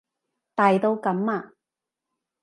大到噉啊？